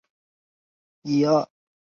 阳城缪侯。